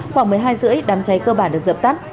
khoảng một mươi hai rưỡi đám cháy cơ bản được dập tắt